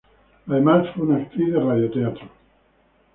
Además fue una actriz de radioteatro.